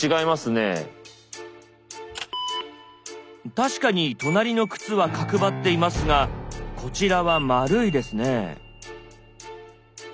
確かに隣の靴は角張っていますがこちらは丸いですね。